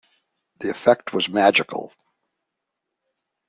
The effect was magical.